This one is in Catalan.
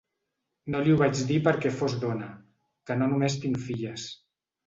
No li ho vaig dir perquè fos dona, que no només tinc filles.